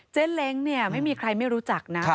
เล้งเนี่ยไม่มีใครไม่รู้จักนะ